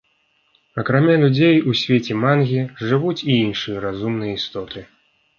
Акрамя людзей у свеце мангі жывуць і іншыя разумныя істоты.